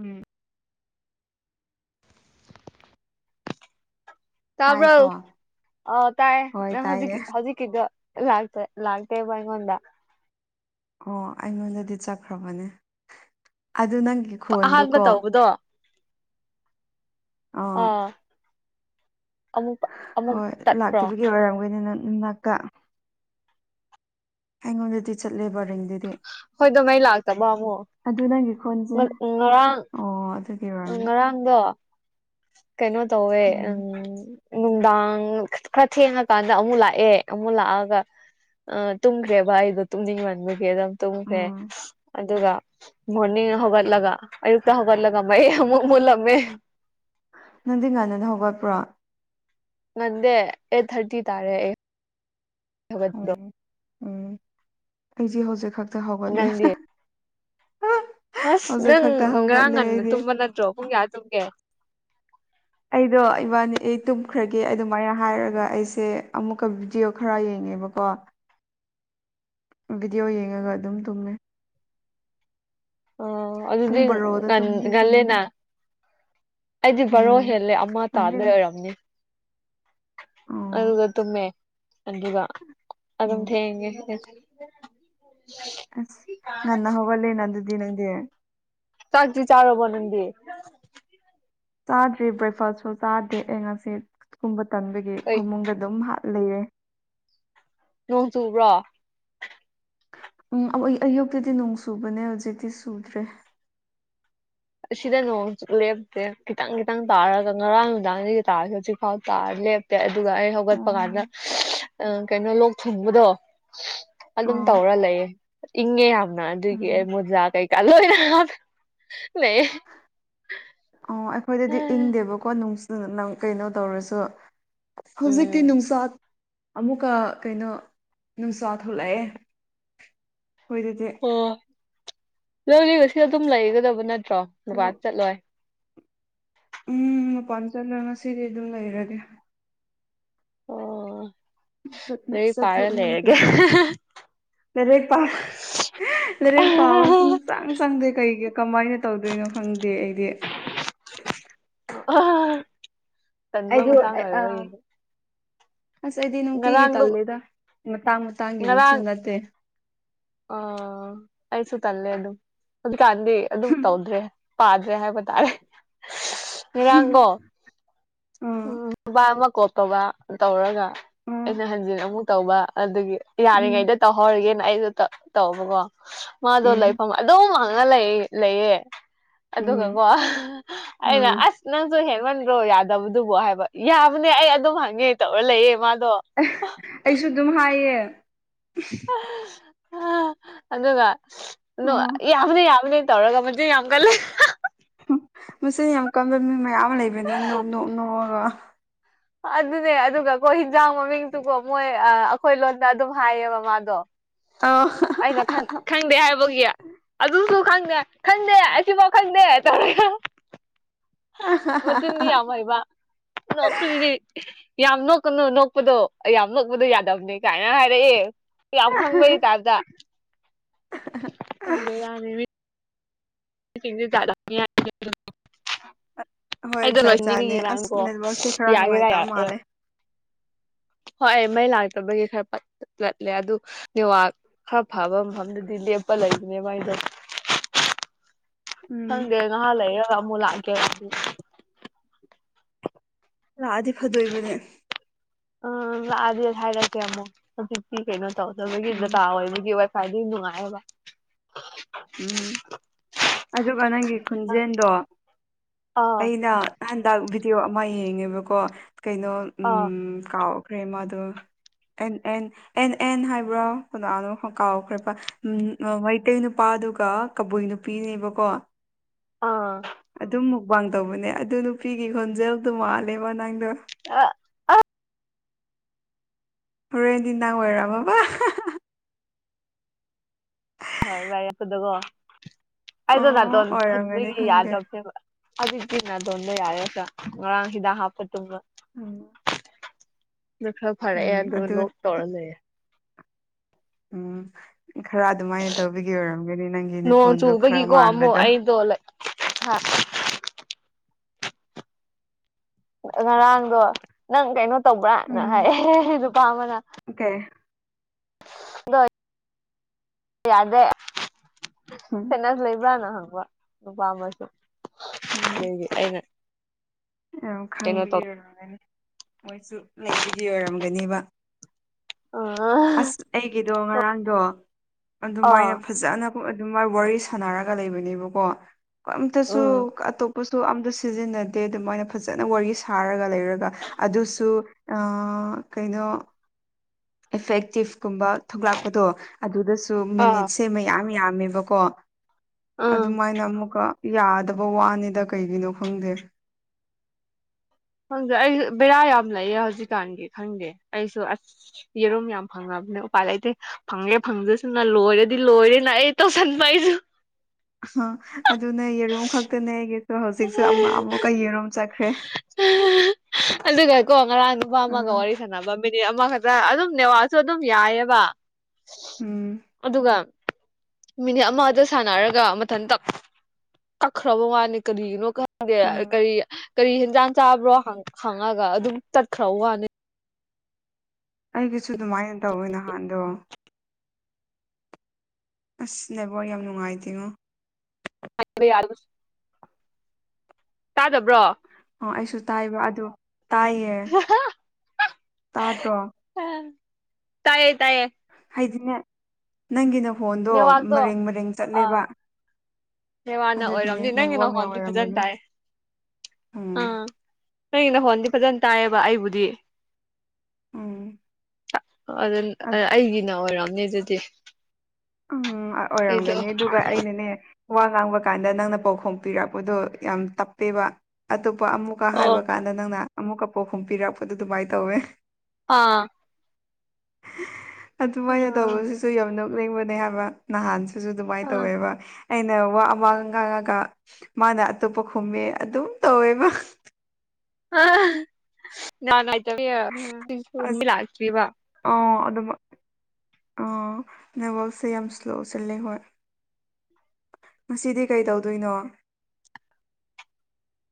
ꯎꯝ꯫ ꯇꯕꯔꯣ ꯇꯥꯏꯀꯣ ꯑꯧ ꯇꯥꯏ ꯍꯣꯏ ꯅꯪ ꯍꯧꯖꯤꯛ ꯇꯥꯏꯌꯦ ꯍꯧꯖꯤꯛ ꯀꯤꯗꯣ ꯂꯥꯛꯇ ꯂꯥꯛꯇꯦꯕ ꯑꯩꯉꯣꯟꯗ꯫ ꯑꯣ ꯑꯩꯉꯣꯟꯗꯗꯤ ꯆꯠꯈ꯭ꯔꯕꯅꯦ ꯑꯗꯨ ꯅꯪꯒꯤ ꯑꯍꯥꯟꯕ ꯈꯣꯟꯗꯨꯀꯣ ꯇꯧꯕꯗꯣ꯫ ꯑꯥ꯫ ꯑꯃꯨꯛ ꯑꯃꯨꯛ ꯍꯣꯏ ꯇꯠꯄ꯭ꯔꯣ ꯂꯥꯛꯇꯕꯒꯤ ꯑꯣꯏꯔꯝꯒꯅꯤ ꯅꯅꯥꯛꯇ꯫ ꯑꯩꯉꯣꯟꯗꯗꯤ ꯆꯠꯂꯦꯕ ꯔꯤꯡ ꯈꯣꯏꯗꯣ ꯃꯩ ꯂꯥꯛꯇꯕ ꯑꯃꯨꯛ ꯑꯗꯨ ꯅꯪꯒꯤ ꯈꯣꯟꯁꯦ ꯉꯔꯥꯡ ꯑꯣ ꯑꯗꯨꯒꯤ ꯎ ꯑꯣꯏꯔꯝꯅꯤ ꯉꯔꯥꯡꯗꯣ ꯀꯩꯅꯣ ꯇꯧꯋꯦ ꯎꯝ ꯅꯨꯡꯗꯥꯡ ꯈꯔ ꯊꯦꯡꯉꯀꯥꯟꯗ ꯑꯃꯨꯛ ꯂꯥꯛꯑꯦ ꯑꯃꯨꯛ ꯂꯥꯛꯑꯒ ꯑ ꯇꯨꯝꯈ꯭ꯔꯦꯕ ꯑꯩꯗꯣ ꯇꯨꯝꯅꯤꯡꯃꯟꯕꯒꯤ ꯑꯗꯨꯝ ꯇꯨꯝꯈ꯭ꯔꯦ ꯎꯝ ꯑꯗꯨꯒ ꯃꯣꯔꯅꯤꯡ ꯍꯧꯒꯜꯂꯒ ꯑꯌꯨꯛꯇ ꯍꯧꯒꯠꯂꯒ ꯃꯩ ꯑꯃꯨꯛ ꯃꯨꯠꯂꯝꯃꯦ ꯅꯪꯗꯤ ꯉꯟꯅꯅ ꯍꯧꯒꯠꯄ꯭ꯔꯣ ꯉꯟꯗꯦ ꯑꯩꯠ ꯊꯥꯔꯇꯤ ꯇꯥꯔꯦ ꯑꯩ ꯍꯧꯒꯠꯄꯗꯣ ꯎꯝ ꯎꯝ ꯑꯩꯁꯦ ꯍꯧꯖꯤꯛ ꯈꯛꯇ ꯍꯧꯒꯠꯂꯦ ꯅꯪꯗꯤ ꯑꯁ ꯍꯧꯖꯤꯛ ꯅꯪ ꯈꯛꯇ ꯉꯔꯥꯡ ꯍꯧꯒꯠꯂꯦ ꯉꯟꯅ ꯑꯩꯗꯤ ꯇꯨꯝꯕ ꯅꯠꯇ꯭ꯔꯣ ꯄꯨꯡ ꯀꯌꯥ ꯇꯨꯝꯒꯦ ꯑꯩꯗꯣ ꯏꯕꯥꯅꯤ ꯑꯩ ꯇꯨꯝꯈ꯭ꯔꯒꯦ ꯑꯗꯨꯃꯥꯏꯅ ꯍꯥꯏꯔꯒ ꯑꯩꯁꯦ ꯑꯃꯨꯛꯀ ꯚꯤꯗꯤꯑꯣ ꯈꯔ ꯌꯦꯡꯉꯦꯕꯀꯣ ꯚꯤꯗꯤꯑꯣ ꯌꯦꯡꯉꯒ ꯑꯗꯨꯝ ꯇꯨꯝꯃꯦ ꯑꯣ ꯄꯨꯡ ꯑꯗꯨꯗꯤ ꯕꯔꯣꯗ ꯉꯟ ꯇꯨꯝꯗꯤ ꯇꯨꯝꯕ ꯉꯜꯂꯦꯅ ꯑꯩꯗꯤ ꯕꯥꯔꯣ ꯎꯝ ꯍꯦꯜꯂꯦ ꯑꯃ ꯇꯥꯗ ꯉꯟꯗꯦꯗ ꯑꯣꯏꯔꯝꯅꯤ ꯑꯣ ꯑꯗꯨꯒ ꯇꯨꯝꯃꯦ ꯑꯗꯨꯒ ꯑꯗꯨꯝ ꯎꯝ ꯊꯦꯡꯉꯦ ꯏ [unintelligible] ꯑꯁ ꯅꯥꯟ ꯍꯒꯂꯦ ꯅ ꯑꯗꯨꯗꯤ ꯅꯪꯦ ꯆꯥꯛꯔꯤ ꯆꯥꯔꯣ ꯟꯗꯦ ꯆꯥꯗ꯭ꯔꯤ ꯕ꯭ꯔꯦꯛꯐꯥꯁꯁꯨ ꯆꯥꯗꯦ ꯑꯩ ꯉꯁꯤ ꯀꯨꯝꯕ ꯇꯟꯕꯒꯤ ꯀꯩ ꯐꯃꯨꯡꯗ ꯑꯗꯨꯝ ꯍꯥꯠ ꯂꯩꯔꯦ ꯅꯣꯡ ꯆꯨꯕ꯭ꯔꯣ ꯎꯝ ꯑꯌꯨꯛꯇꯗꯤ ꯅꯣꯡ ꯆꯨꯕꯅꯦ ꯍꯧꯖꯤꯛꯇꯤ ꯆꯨꯗ꯭ꯔꯦ ꯑꯁꯤꯗ ꯅꯣꯡꯁꯨꯛ ꯂꯦꯞꯇꯦ ꯈꯤꯇꯪ ꯈꯤꯇꯪ ꯇꯥꯔꯒ ꯉꯔꯥꯡ ꯅꯨꯡꯗꯥꯡꯗꯒꯤ ꯇꯥꯔꯁꯨꯦ ꯍꯧꯖꯤꯛ ꯐꯥꯎ ꯇꯥꯔ ꯂꯦꯞꯇ ꯄꯦꯑꯗꯨꯒ ꯑꯩ ꯍꯧꯒꯠꯄ ꯀꯥꯟꯗ ꯑꯪ ꯀꯩꯅꯣ ꯂꯣꯛ ꯊꯨꯡꯕꯗꯣ ꯑꯗꯨꯝ ꯑꯥ ꯇꯧꯔ ꯂꯩꯌꯦ ꯏꯪꯉꯦ ꯌꯥꯝꯅ ꯑꯗꯨꯒꯤ ꯑꯩ ꯎꯝ ꯃꯣꯖꯥ ꯀꯩꯀꯥ ꯂꯣꯏꯅ ꯂꯩ ꯑꯣ ꯑꯩꯈꯣꯏꯗꯗꯤ ꯏꯪꯗꯦꯕꯀꯣ ꯅꯪ ꯀꯩꯅꯣ ꯇꯧꯔꯁꯨ ꯍꯧꯖꯤꯛꯇꯤ ꯎꯝ ꯅꯨꯡꯁꯥꯠ ꯑꯃꯨꯛꯀ ꯀꯩꯅꯣ ꯅꯨꯡꯁꯥ ꯊꯣꯛꯂꯛꯑꯦ ꯍꯈꯣꯏ ꯑꯗꯨꯗꯤ ꯑꯣ ꯅꯣꯏꯗꯤꯑꯁꯤ ꯑꯗꯨꯝ ꯂꯩꯒꯗꯕ ꯅꯠꯇ꯭ꯔꯣ ꯕꯥ ꯑꯗꯨ ꯆꯠꯂꯣꯏ ꯎꯝ ꯄꯟ ꯆꯜꯂ ꯉꯁꯤꯗꯤ ꯑꯗꯨꯝ ꯂꯩꯔꯒꯦ ꯑꯣ ꯂꯥꯏꯔꯤꯛ ꯄꯔꯒꯥ ꯂꯩꯔꯒꯦ ꯂꯥꯔꯤꯛꯄꯥ ꯂꯥꯏꯔꯛ ꯄꯥꯕ ꯁꯨꯝ ꯆꯪ ꯆꯪꯗꯦ ꯀꯩꯒꯤ ꯀꯃꯥꯏꯅ ꯇꯧꯗꯣꯏꯅꯣ ꯈꯪꯗꯦ ꯑꯩꯗꯤ ꯇꯟꯕ ꯑꯩꯗꯤ ꯃꯇꯥꯡ ꯑ ꯑꯣꯏꯕꯒꯤ ꯑꯁ ꯑꯩꯗꯤ ꯅꯨꯡꯇꯤꯒꯤ ꯉꯔꯥꯡꯗꯣ ꯇꯜꯂꯦꯗ ꯃꯇꯥꯡ ꯃꯇꯥꯡꯒꯤꯅꯁꯨ ꯉꯔꯥꯡ ꯅꯠꯇꯦ ꯑ ꯑꯩꯁꯨ ꯇꯂꯦ ꯑꯗꯨꯝ ꯑꯗꯨꯀꯥꯟꯗꯗꯤ ꯑꯗꯨꯝ ꯇꯧꯗ꯭ꯔꯦ ꯄꯥꯗ꯭ꯔꯦ ꯍꯥꯏꯕ ꯇꯥꯔꯦ ꯉꯔꯥꯡꯗꯣ ꯑꯥ ꯎꯝ ꯅꯨꯄꯥ ꯑꯃ ꯀꯣꯛꯠꯇꯕ ꯇꯧꯔꯒ ꯑꯥ ꯑꯩꯅ ꯍꯟꯖꯤꯟ ꯑꯃꯨꯛ ꯇꯧꯕ ꯑꯗꯨꯒꯤ ꯎꯝ ꯌꯥꯔꯤꯉꯩꯗ ꯇꯧꯍꯧꯔꯒꯦꯅ ꯑꯩꯗꯣ ꯇꯧꯕꯀꯣ ꯃꯥꯗꯣ ꯎꯝ ꯂꯩꯐꯝ ꯑꯗꯨꯝ ꯍꯪꯉ ꯂꯩ ꯂꯩꯌꯦ ꯎꯝ ꯑꯗꯨꯒꯀꯣ ꯑꯩꯅ ꯑꯥ ꯑꯁ ꯅꯪꯁꯨ ꯍꯦꯟꯃꯟ ꯗꯣ ꯌꯥꯗꯕꯗꯨꯕꯨ ꯍꯥꯏꯕ ꯌꯥꯕꯅꯦ ꯑꯩ ꯑꯗꯨꯝ ꯍꯪꯉꯦ ꯇꯧꯔ ꯂꯩꯌꯦ ꯃꯥꯗꯣ ꯑꯩꯁꯨ ꯑꯗꯨꯝ ꯍꯥꯏꯌꯦ ꯑꯗꯨꯒ ꯑꯣ ꯌꯥꯕꯗꯤ ꯌꯥꯕꯅ‌ꯦ ꯇꯧꯔꯒ ꯃꯆꯤꯟ ꯌꯥꯝ ꯀꯜꯂꯦ ꯃꯁꯤ ꯌꯥꯝ ꯀꯟꯕ ꯃꯤ ꯃꯌꯥꯝ ꯑꯃ ꯂꯩꯕꯅꯤ ꯅꯣꯛ ꯅꯣꯛ ꯅꯣꯛꯑꯒ ꯑꯗꯨꯅꯦ ꯑꯗꯨꯒ ꯀꯣ ꯍꯤꯟꯖꯥꯡ ꯃꯃꯤꯡꯇꯨꯀꯣ ꯃꯣꯏ ꯑꯩꯈꯣꯏ ꯂꯣꯟꯗ ꯑꯗꯨꯝ ꯍꯥꯏꯌꯦꯕ ꯃꯥꯗꯣ ꯑꯧ ꯑꯩꯅ ꯈꯟ ꯈꯪꯗꯦ ꯍꯥꯏꯕꯒꯤ ꯑꯗꯨꯁꯨ ꯈꯪꯗꯦ ꯈꯪꯗꯦ ꯑꯁꯤꯐꯥꯎ ꯈꯪꯗꯦ ꯇꯧꯔꯒ ꯃꯆꯤꯟꯗꯤ ꯌꯥꯝ ꯍꯕꯗꯤ ꯌꯥꯝ ꯅꯣꯛꯀꯅꯨ ꯅꯣꯛꯄꯗꯣ ꯌꯥꯝ ꯅꯣꯛꯄꯗꯣ ꯌꯥꯗꯕꯅꯦ ꯀꯥꯏꯅ ꯍꯥꯏꯔꯛꯑꯦ ꯌꯥꯝ ꯈꯪꯕꯩ ꯇꯥꯏꯞꯇ ꯕꯦꯔꯥꯅꯦꯃꯤ [unintelligible] ꯍꯣꯏ ꯑꯩꯗꯣ ꯖꯥꯠ ꯂꯣꯏꯅꯤꯡꯕꯒꯤ ꯀꯣ ꯖꯥꯠꯅꯦ ꯑꯁ ꯉꯔꯥꯡꯀꯣ ꯅꯦꯠꯋꯥꯛꯁꯦ ꯈꯔ ꯌꯥꯒꯦꯔꯥ ꯅꯨꯡꯉꯥꯏꯇꯕ ꯌꯥꯔꯣꯢꯔ ꯃꯥꯜꯂꯦ ꯍꯣꯏ ꯃꯩ ꯂꯥꯛꯇꯕꯒꯤ ꯈꯔ ꯂꯠꯂꯦ ꯑꯗꯨ ꯅ‌ꯦꯠꯋꯥꯛ ꯈꯔ ꯐꯕ ꯃꯐꯝꯗꯗꯤ ꯂꯦꯞꯄ ꯂꯩꯕꯅꯦꯕ ꯑꯩꯗꯣ ꯎꯝ ꯈꯪꯗꯦ ꯉꯍꯥ ꯂꯩꯔꯒ ꯑꯃꯨꯛ ꯂꯥꯛꯀꯦ ꯂꯥꯛꯑꯗꯤ ꯐꯗꯣꯏꯕꯅꯦ ꯎꯝ ꯂꯥꯛꯑꯗꯤ ꯍꯥꯏꯔ ꯀꯦ ꯑꯃꯨꯛ ꯍꯧꯖꯤꯛꯇꯤ ꯀꯩꯅꯣ ꯇꯧꯗꯕꯥꯒꯤ ꯗꯇꯥ ꯎꯝ ꯑꯣꯏꯕꯒꯤ ꯋꯥꯏꯐꯥꯏꯗ ꯅꯨꯡꯉꯥꯏꯌꯦꯕ ꯎꯝ ꯑꯗꯨꯒ ꯅꯪꯒꯤ ꯈꯨꯟꯖꯦꯜꯗꯣ ꯑꯥ ꯑꯩꯅ ꯍꯟꯗꯛ ꯚꯤꯗꯤꯑꯣ ꯑꯃ ꯌꯦꯡꯉꯦꯕꯀꯣ ꯀꯩꯅꯣ ꯎꯝ ꯑꯥ ꯀꯥꯎꯈ꯭ꯔꯦ ꯃꯥꯗꯣ ꯑꯦꯟ ꯑꯦꯟ ꯑꯦꯟ ꯑꯦꯟ ꯍꯥꯏꯕ꯭ꯔꯥ ꯀꯅꯥꯅꯣ ꯀꯥꯎꯈ꯭ꯔꯦ ꯎ ꯃꯩꯇꯩ ꯅꯨ ꯄꯥꯗꯨꯒ ꯀꯕꯨꯏ ꯅꯨꯄꯤꯅꯦꯕꯀꯣ ꯑꯥ ꯑꯗꯨꯝ ꯃꯨꯛꯕꯥꯡ ꯇꯧꯕꯅꯦ ꯑꯗꯨ ꯅꯨꯄꯤꯒꯤ ꯈꯣꯟꯖꯦꯜꯗꯣ ꯃꯥꯜꯂꯦꯕ ꯅꯪꯗꯣ ꯑꯥ ꯍꯣꯔꯦꯟꯗꯤ ꯅꯪ ꯑꯣꯏꯔꯝꯃꯕ [unintelligible] ꯍꯣꯏ ꯋꯥꯏꯔꯛꯞꯄꯗꯀꯣ ꯑꯩꯗꯣ ꯑꯣ ꯅꯥꯇꯣꯟ ꯑꯣꯏꯔꯝꯒꯅꯤ ꯐꯨꯟꯕꯒꯤ ꯈꯪꯗꯦ ꯌꯥꯗꯕꯅꯦꯕ ꯑꯗꯨꯗꯤ ꯅꯥꯗꫭꯟ [unintelligible] ꯌꯥꯔꯁꯥꯡ ꯍ ꯍꯥꯞꯄꯇ ꯇꯨꯝꯕ ꯎꯝ ꯑꯗꯨ ꯈꯔ ꯐꯔꯛꯑꯦ ꯑꯗꯨ ꯂꯣꯛ ꯇꯧꯔ ꯂꯩꯌꯦ ꯎꯝ ꯈꯔ ꯑꯗꯨꯃꯥꯏꯅ ꯇꯧꯕꯤꯒꯤ ꯑꯣꯏꯔꯝꯒꯅꯤ ꯅꯪꯒꯤ ꯅꯈꯣꯟꯗꯣ ꯈꯔ ꯃꯥꯟꯕꯗꯣ ꯇꯣ ꯂꯩ ꯍꯥ ꯉꯔꯥꯡꯗꯣ ꯅꯪ ꯀꯩꯅꯣ ꯇꯧꯕ꯭ꯔꯥꯅ ꯎꯝ ꯍꯥꯏ ꯅꯨꯄꯥ ꯑꯃꯅ ꯑꯣꯀꯦ ꯑꯗꯣ ꯌꯥꯗꯦ ꯎꯝ ꯁꯥꯢꯅꯁ ꯂꯩꯕ꯭ꯔꯥꯅ ꯍꯪꯕ ꯅꯨꯄꯥ ꯑꯃꯁꯨ ꯎꯝ ꯑꯗꯩꯗꯤ ꯑꯩꯅ ꯌꯥꯝ ꯀꯩꯅꯣ ꯈꯪꯕꯒꯤ ꯇꯧ ꯑꯣꯏꯔꯝꯒꯅꯤ ꯃꯣꯏꯁꯨ ꯂꯩꯕꯒꯤ ꯑꯣꯏꯔꯝꯒꯅꯦꯕ ꯑꯁ ꯑꯩꯒꯤꯗꯣ ꯉꯔꯥꯡꯗꯣ ꯑ ꯑꯗꯨꯃꯥꯏꯅ ꯐꯖꯅ ꯑꯗꯨꯝ ꯋꯥꯔꯤ ꯁꯥꯟꯅꯔꯒ ꯂꯩꯕꯅꯦꯕꯀꯣ ꯑꯝꯇꯁꯨ ꯎꯝ ꯑꯇꯣꯞꯄ ꯇꯣ ꯑꯝꯇ ꯁꯤꯖꯤꯟꯅꯗꯦ ꯑꯗꯨꯃꯥꯏꯅ ꯐꯖꯅ ꯋꯥꯔꯤ ꯁꯥꯔꯒ ꯂꯩꯔꯒ ꯑꯗꯨꯁꯨ ꯑ ꯀꯩꯅꯣ ꯏꯐꯦꯛꯇꯤꯞ ꯀꯨꯝꯕ ꯊꯣꯛꯂꯛꯄꯗꯣ ꯑꯗꯨꯗꯁꯨ ꯑꯥ ꯃꯤꯅꯤꯠꯁꯦ ꯃꯌꯥꯝ ꯌꯥꯝꯃꯦꯕꯀꯣ ꯎꯝ ꯑꯗꯨꯃꯥꯏꯅ ꯑꯃꯨꯛꯀ ꯌꯥꯗꯕ ꯋꯥꯅꯤꯗ ꯀꯩꯒꯤꯅꯣ ꯈꯪꯗꯦ ꯈꯪꯗꯦ ꯑꯩꯁꯨ ꯕꯦꯔꯥ ꯌꯥꯝ ꯂꯩꯌꯦ ꯍꯧꯖꯤꯛꯀꯥꯟꯒꯤ ꯈꯪꯗꯦ ꯑꯩꯁꯨ ꯑꯁ ꯌꯦꯔꯨꯝ ꯌꯥꯝ ꯐꯪꯉꯕꯅꯦ ꯎꯄꯥꯏ ꯂꯩꯩꯇꯦ ꯐꯪꯉꯦ ꯐꯪꯖꯁꯨꯅ ꯂꯣꯏꯔꯗꯤ ꯂꯣꯏꯔꯦꯅ ꯑꯩ ꯇꯧꯁꯟꯕ ꯑꯩꯁꯨ ꯑ ꯑꯗꯨꯅꯦ ꯌꯦꯔꯨꯝ ꯈꯛꯇꯅꯦ ꯑꯩꯒꯤꯗꯣ ꯍꯧꯖꯤꯛꯁꯨ ꯑꯃꯥ ꯑꯃꯨꯛꯀ ꯌꯦꯔꯨꯝ ꯆꯠꯈ꯭ꯔꯦ [unintelligible] ꯑꯗꯨꯒ ꯀꯣ ꯉꯔꯥꯡ ꯅꯨꯄꯥ ꯑꯃꯒ ꯎꯝ ꯋꯥꯔꯤ ꯁꯥꯟꯅꯕ ꯃꯤꯅꯤꯠ ꯑꯃꯈꯛꯇ ꯑꯗꯨꯝ ꯅꯦꯋꯥꯁꯨ ꯑꯗꯨꯝ ꯌꯥꯏꯑꯕ ꯎꯝ ꯑꯗꯨꯒ ꯃꯤꯅꯤꯠ ꯑꯃꯗ ꯁꯥꯟꯅꯔꯒ ꯃꯊꯟꯇ ꯀꯛꯈ꯭ꯔꯕ ꯋꯥꯅꯤ ꯀꯔꯤꯒꯤꯅꯣ ꯈꯪꯗꯦ ꯎꯝ ꯀꯔꯤ ꯀꯔꯤ ꯍꯦꯟꯖꯥꯡ ꯆꯥꯕ꯭ꯔꯣ ꯍꯥꯡꯉꯒ ꯑꯗꯨꯝ ꯈꯠꯈ꯭ꯔꯕ ꯋꯥꯅꯦ ꯑꯩꯒꯤꯁꯨ ꯑꯗꯨꯃꯥꯏꯅ ꯇꯧꯋꯦ ꯅꯍꯥꯟꯗꯣ ꯑꯁ ꯅꯦꯠꯋꯥꯛ ꯌꯥꯝ ꯅꯨꯡꯉꯥꯏꯇꯦꯉꯣ [unintelligible] ꯇꯥꯗꯕ꯭ꯔꯣ ꯑꯣ ꯑꯩꯁꯨ ꯇꯥꯏꯕ ꯑꯗꯣ ꯇꯥꯏꯌꯦ ꯇꯥꯗ꯭ꯔꯣ ꯑ ꯇꯥꯏꯌꯦ ꯇꯥꯏꯌꯦ꯫ ꯍꯥꯏꯗꯤꯅꯦ ꯅꯪꯒꯤ ꯅꯈꯣꯟꯗꯣ ꯃꯔꯦꯡ ꯃꯔꯦꯡ ꯆꯠꯂꯦꯕ ꯍꯦ ꯋꯥꯅ ꯑꯗꯨꯒꯤꯅꯦ ꯑꯣꯏꯔꯝꯅꯤ ꯅꯪꯒꯤ ꯅꯦꯠꯋꯥꯛꯅ ꯅꯈꯣꯟꯗꯤ ꯐꯖꯅ ꯑꯣꯏꯔꯝꯒꯅꯤ ꯇꯥꯏ ꯎꯝ ꯑꯥ ꯅꯩꯅꯒꯤ ꯍꯣꯟꯗꯤ ꯐꯖꯅ ꯇꯥꯏꯌꯦꯕ ꯑꯩꯕꯨꯗꯤ ꯑꯝ ꯑꯗꯨ ꯑꯩꯒꯤꯅ ꯑꯣꯏꯔꯝꯅꯦ ꯑꯗꯨꯗꯤ ꯎꯝ ꯑꯩꯗꯣ ꯑꯣꯏꯔꯝꯒꯅꯤ ꯑꯗꯨꯒ ꯑꯩꯅꯅꯦ꯫ ꯋꯥ ꯉꯥꯡꯕ ꯀꯥꯟꯗ ꯅꯪꯅ ꯄꯥꯎꯈꯨꯝ ꯄꯤꯔꯛꯄꯗꯣ ꯌꯥꯝ ꯇꯞꯄꯦꯕ ꯑꯇꯣꯞꯄ ꯑꯃꯨꯛ ꯀ ꯑꯣ ꯍꯥꯏꯕ ꯀꯥꯟꯗ ꯅꯪꯅ ꯑꯃꯨꯛꯀ ꯄꯧꯈꯨꯝ ꯄꯤꯔꯛꯄꯗꯨ ꯗꯨꯃꯥꯏꯅ ꯇꯧꯋꯦ꯫ ꯑꯥ꯫ ꯑꯗꯨꯃꯥꯏꯅ ꯑꯥ ꯇꯧꯕꯁꯤꯁꯨ ꯌꯥꯝ ꯅꯣꯛꯅꯤꯡꯕꯅꯦ ꯍꯥꯏꯕ ꯅꯍꯥꯟꯁ꯫ ꯑꯗꯨꯁꯨ ꯑꯗꯨꯃꯥꯏꯅ ꯇꯧꯋꯦꯕ ꯑꯩꯅ ꯋꯥ ꯑꯃ ꯉꯥꯡꯉꯒ ꯃꯥꯅ ꯑꯇꯣꯞꯄ ꯈꯨꯝꯃꯦ ꯑꯗꯨꯝ ꯇꯧꯋꯦꯕ ꯑ ꯂꯥꯛꯕ [unintelligible] ꯑꯣ ꯑꯗꯨꯃꯛ ꯑ ꯅꯦꯠꯋꯥꯛꯁꯦ ꯌꯥꯝ ꯁ꯭ꯂꯣ ꯆꯜꯂꯦ ꯍꯣꯏ ꯉꯁꯤꯗꯤ ꯀꯩ ꯇꯧꯗꯣꯏꯅꯣ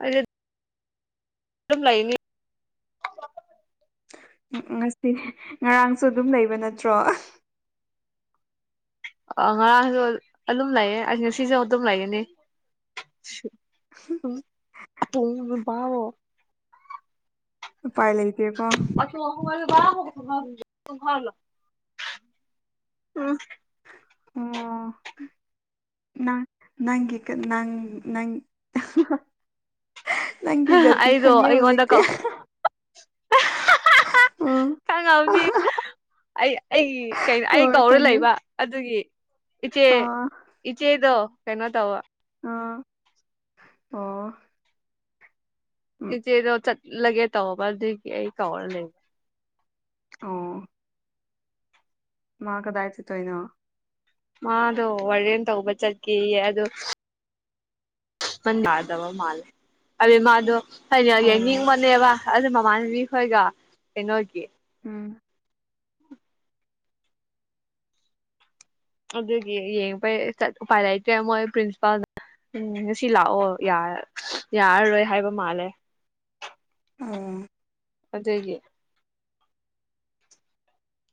ꯑꯗꯨ ꯑꯗꯨꯝ ꯂꯩꯅꯤ꯫ ꯎꯝ ꯉꯁꯤ ꯉꯔꯥꯡꯁꯨ ꯑꯗꯨꯝ ꯂꯩꯕ ꯅꯠꯇ꯭ꯔꯣ ꯑ ꯉꯔꯥꯡꯁꯨ ꯑꯗꯨꯝ ꯂꯩꯌꯦ ꯑꯩ ꯉꯁꯤꯁꯨ ꯑꯗꯨꯝ ꯂꯩꯒꯅꯤ [unintelligible] ꯎꯄꯥꯏ ꯂꯩꯇꯦꯀꯣ ꯨꯝꯥꯏꯜ ꯎ ꯑꯣ ꯅꯪ ꯒꯤ ꯀ ꯅꯪ ꯅꯪ ꯅꯪꯒꯤ ꯖꯥꯇꯤ ꯑꯩꯗꯣ ꯈꯪꯉꯦ ꯍꯧꯖꯤꯛꯇꯤ ꯑꯩꯉꯣꯟꯗꯀꯣ [inaudible] ꯎ ꯀꯪꯗꯧꯅꯤ ꯑꯩ ꯑꯩ ꯀꯩꯅꯣ ꯑꯩ ꯍꯣꯏ ꯀꯧꯔ ꯈꯪꯉꯦ ꯂꯩꯕ ꯑꯗꯨꯒꯤ ꯏꯆꯦ ꯑꯥ ꯏꯆꯦꯗꯣ ꯀꯩꯅꯣ ꯇꯋꯥ ꯑꯥ ꯑꯣ ꯎꯝ ꯏꯆꯦꯗꯣ ꯆꯠꯂꯒꯦ ꯇꯧꯕ ꯑꯗꯨꯒꯤ ꯑꯩ ꯀꯧꯔ ꯂꯩꯕ ꯑꯣ ꯃꯥ ꯀꯗꯥ ꯆꯦ ꯇꯣꯣꯏꯅ ꯃꯥꯗꯣ ꯋꯥꯔꯦꯟ ꯇꯧꯕ ꯆꯠꯀꯦꯌꯦ ꯑꯗꯨꯗ ꯟ ꯌꯥꯗꯕ ꯃꯥꯜꯂꯦ ꯑꯗꯨ ꯃꯥꯗꯣ ꯑꯩꯅꯥ ꯑꯣ ꯌꯦꯡꯅꯤꯡꯕꯅꯦꯕ ꯑꯗꯨ ꯃꯃꯥꯟꯅꯕꯤ ꯈꯣꯏꯗꯣ ꯀꯩꯅꯣꯒꯤ ꯎꯝ ꯑꯗꯨꯒꯤ ꯌꯦꯡꯕꯩ ꯆꯠꯄ ꯀꯟꯗꯥ ꯃꯣꯏ ꯄ꯭ꯔꯤꯟꯁꯤꯄꯥꯜ ꯎꯝ ꯉꯁꯤ ꯂꯥꯛꯑꯣ ꯌꯥꯔꯔꯣꯏ ꯍꯥꯏꯕ ꯃꯥꯜꯂꯦ ꯑꯣ ꯑꯗꯨꯗꯦ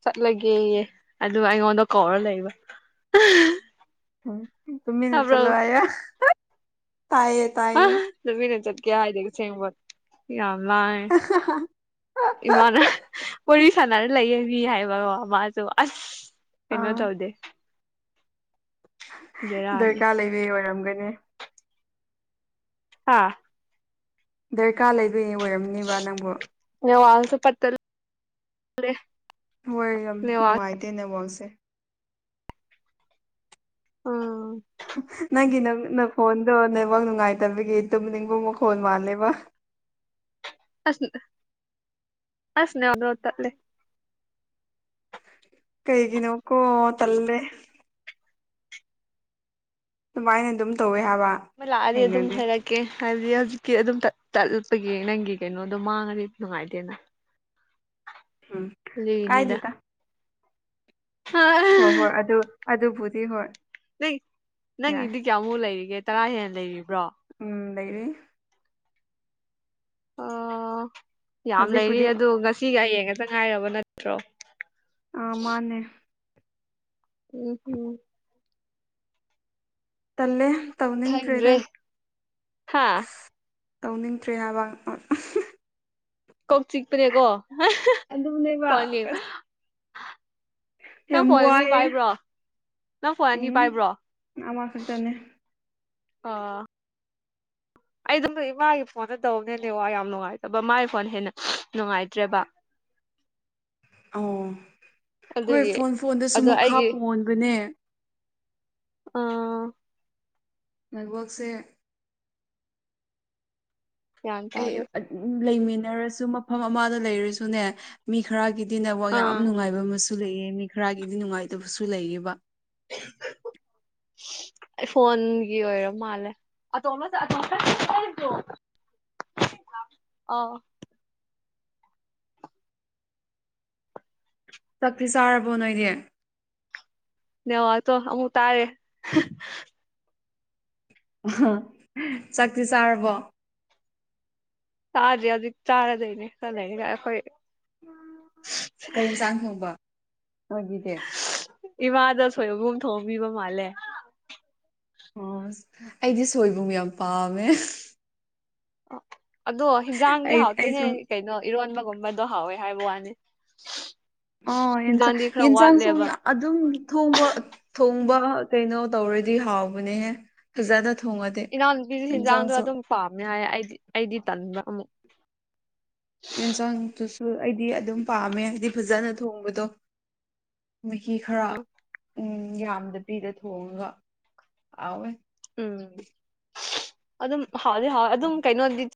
ꯆꯠꯂꯒꯦꯌꯦ ꯑꯗꯨꯒ ꯑꯩꯉꯣꯟꯗ ꯀꯧꯔ ꯂꯩꯕ ꯎꯝ ꯇꯃꯤꯃꯤ ꯅ ꯇꯥꯕ꯭ꯔꯣ ꯆꯂꯣ ꯑꯌꯥ ꯇꯥꯏꯥꯏ ꯑ ꯇꯨꯃꯤꯅ ꯆꯠꯀꯦ ꯍꯥꯏꯗꯦ ꯑꯁꯦꯡꯕ ꯌꯥꯝ ꯂꯥꯉꯦ ꯏꯃꯥꯅ ꯄꯨꯔꯤ ꯁꯥꯟꯅꯔ ꯂꯩꯌꯦꯅꯤ ꯍꯥꯏꯕꯀꯣ ꯃꯥꯁꯨ ꯑꯁ ꯑꯥ ꯀꯅꯣꯗꯥꯎꯗꯦ ꯕꯦꯔꯥꯅꯤ ꯗꯔꯀꯥꯔ ꯂꯩꯕ ꯑꯣꯏꯔꯝꯒꯅꯤ ꯍꯥꯥ ꯗꯔꯀꯥꯔ ꯂꯩꯗꯣꯏꯅꯦ ꯑꯣꯏꯔꯝꯅꯦꯕ ꯅꯪꯕꯨ ꯅ ꯋꯥꯜꯁ ꯄꯠꯇꯦ ꯍꯣꯏ ꯌꯥꯝ ꯅꯨꯡꯉꯥꯏꯇꯦ ꯅꯋꯥꯡꯁꯦ ꯎꯝ ꯅꯪꯒꯤ ꯅꯪ ꯅꯈꯣꯟꯗꯣ ꯅꯕꯥꯛ ꯅꯨꯡꯉꯥꯏꯇꯕꯒꯤ ꯇꯨꯝꯅꯤꯡꯕ ꯃꯈꯣꯟꯜ ꯃꯥꯜꯂꯦꯕ ꯑꯁꯅꯦ ꯑꯁꯅꯦ ꯇꯂꯦ ꯀꯩꯒꯤ ꯅꯣ ꯀꯣ ꯇꯜꯗꯦ ꯑꯗꯨꯃꯥꯏꯅ ꯑꯗꯨꯝ ꯇꯧꯋꯦ ꯍꯥꯏꯕ ꯑꯃ ꯂꯥꯛꯑꯗꯤ ꯑꯗꯨꯝ ꯊꯦꯡꯅꯗꯦ ꯍꯥꯏꯔꯛꯀꯦ ꯑꯣ ꯀꯦ ꯍꯥꯏꯗꯤ ꯍꯧꯖꯤꯛꯇꯤ ꯑꯗꯨꯝ ꯇꯥꯠꯄꯒꯤ ꯅꯪꯒꯤ ꯀꯩꯅꯣꯗꯣ ꯃꯥꯡꯉꯗꯤ ꯅꯨꯡꯉꯥꯏꯇꯦꯅ ꯎꯝ ꯀꯥꯏ ꯗꯇꯥ ꯍꯥ ꯍꯣꯏ ꯍꯣꯏ ꯑꯗꯨ ꯑꯗꯨꯕꯨꯗꯤ ꯍꯣꯏ ꯅ ꯌꯥꯏ ꯅꯪꯒꯤꯗꯤ ꯀꯌꯥꯃꯨꯛ ꯂꯩꯔꯤꯒꯦ ꯇꯔꯥ ꯍꯦꯟꯅ ꯂꯩꯔꯤꯕ꯭ꯔꯣ ꯎꯝ ꯂꯩꯩꯔꯤ ꯑꯣ ꯌꯥꯝ ꯂꯩꯔꯤ ꯍꯧꯖꯤꯛꯄꯨꯗꯤ ꯑꯗ ꯉꯁꯤꯒ ꯍꯌꯦꯡ ꯉꯇ ꯉꯥꯏꯔꯕ ꯅꯠꯇ꯭ꯔꯣ ꯑ ꯃꯥꯅꯦ ꯍ ꯍ ꯇꯜꯂꯦ ꯇꯧꯅꯤꯡꯗ꯭ꯔꯦꯗ ꯈꯪꯗ꯭ꯔꯦ ꯍꯥ ꯇꯧꯅꯤꯡꯗ꯭ꯔꯦ ꯍꯥꯏꯕ ꯀꯣꯛ ꯆꯤꯛꯄꯅꯦꯀꯣ ꯑꯗꯨꯅꯦꯕ ꯐꯣꯟ ꯌꯦꯡꯕ ꯅꯪ ꯌꯥꯝ ꯐꯣꯟꯅꯅꯤ ꯋꯥꯏꯌꯦ ꯄꯥꯏꯕ꯭ꯔꯣ ꯅꯪ ꯐꯣꯟꯅꯤ ꯄꯥꯏꯕ꯭ꯔꯣ ꯎꯝ ꯑꯃꯈꯛꯇꯅꯦ ꯑ ꯑꯩ ꯑꯗꯨꯝ ꯏꯃꯥꯒꯤ ꯐꯣꯟꯗ ꯇꯧꯕꯅꯦꯅꯦ ꯋꯥ ꯌꯥꯝ ꯅꯨꯡꯉꯥꯏꯇꯕ ꯃꯥꯒꯤ ꯐꯣꯟ ꯍꯦꯟꯅ ꯅꯨꯡꯉꯥꯏꯇ꯭ꯔꯦꯕ ꯑꯣ ꯑꯈꯣꯏ ꯑꯗꯨꯒꯤ ꯐꯣꯟ ꯐꯣꯟꯗꯁꯨ ꯑꯗꯣ ꯃꯈꯥ ꯑꯩꯒꯤ ꯄꯣꯟꯕꯅꯦ ꯑꯥ ꯅꯦꯛꯕꯛꯁꯦ ꯒ꯭ꯌꯥꯟ ꯑꯩ ꯇꯥꯗꯦ ꯂꯩꯃꯤꯟꯅꯔꯁꯨ ꯃꯐꯝ ꯑꯃꯗ ꯂꯩꯔꯁꯨꯅꯦ ꯃꯤ ꯈꯔꯒꯤꯗꯤ ꯅꯕ ꯌꯥꯝ ꯑꯥ ꯅꯨꯡꯉꯥꯏꯕ ꯑꯃꯁꯨ ꯂꯩꯑ ꯃꯤ ꯈꯔꯒꯤꯗꯤ ꯅꯨꯡꯉꯥꯏꯇꯕꯁꯨ ꯂꯩꯑꯕ [inaudible] ꯑꯩ ꯐꯣꯟꯒꯤ ꯑꯣꯏꯔ ꯃꯥꯜꯂꯦ ꯑꯣ ꯑꯣ ꯆꯥꯛꯁꯤꯤ ꯆꯥꯔꯕꯣ ꯅꯣꯏꯗꯤ ꯅꯦꯠꯋꯥꯛꯇꯣ ꯑꯃꯨꯛ ꯇꯥꯔꯦ ꯆꯥꯛꯁꯤꯤ ꯆꯥꯔꯕꯣ ꯆꯥꯗꯦ ꯍꯧꯖꯤꯛ ꯆꯥꯔꯗꯣꯏꯅꯦ ꯆꯠꯅꯤ ꯑꯩꯈꯣꯏ ꯀꯩ ꯏꯪꯖꯥꯡ ꯊꯣꯡꯕ ꯅꯣꯏꯒꯤꯗꯤ ꯏꯃꯥꯗ ꯁꯣꯏꯕꯕꯨꯝ ꯊꯣꯛꯍꯕꯤꯕ ꯃꯥꯜꯂꯦ ꯑꯣ ꯑꯩꯗꯤ ꯁꯣꯏꯕꯨꯝ ꯌꯥꯝ ꯄꯥꯝꯃꯦ ꯑꯗꯣ ꯍꯤꯟꯖꯥꯡꯗꯤ ꯑꯩ ꯑꯩꯁꯨ ꯍꯥꯎꯇꯍꯦ ꯀꯩꯅꯣ ꯏꯔꯣꯟꯕꯒꯨꯝꯕꯗꯣ ꯍꯥꯎꯋꯦ ꯍꯥꯏꯕ ꯋꯥꯅꯤ ꯑ ꯍꯤꯟꯖꯥꯡꯗꯤ ꯈꯔ ꯌꯦ ꯆ ꯁ ꯋꯥꯠꯂꯦꯕ ꯑꯗꯨꯝ ꯊꯣꯡꯕ ꯊꯣꯡꯕ ꯀꯩꯅꯣ ꯇꯧꯔꯗꯤ ꯍꯥꯎꯕꯅꯦꯍꯦ ꯐꯖꯅꯥ ꯊꯣꯡꯉꯗꯤ ꯏꯅꯥꯎꯅꯨꯄꯤꯁꯨ ꯏꯪꯖꯥꯡ ꯍꯤꯟꯖꯥꯡꯗꯣ ꯁꯨ ꯑꯗꯨꯝ ꯄꯥꯝꯃꯦ ꯍꯥꯏꯌꯦ ꯑꯩꯗꯤ ꯑꯩꯗꯤ ꯇꯟꯕ ꯑꯃꯨꯛ ꯌꯦꯟꯁꯥꯡꯗꯨꯨꯁꯨ ꯑꯩꯗꯤ ꯑꯗꯨꯝ ꯄꯥꯝꯃꯦ ꯍꯥꯏꯗꯤ ꯐꯖꯅ ꯊꯣꯡꯕꯗꯣ ꯃꯍꯤ ꯈꯔ ꯎꯝ ꯌꯥꯝꯗ ꯄꯤꯗ ꯊꯣꯡꯉꯒ ꯍꯥꯎꯋꯦ ꯎꯝ ꯑꯗꯨꯝ ꯍꯥꯎꯗꯤ ꯍꯥꯎ ꯑꯗꯨꯝ ꯀꯩꯅꯣꯗꯤ